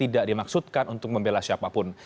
dimaksudkan untuk membela siapapun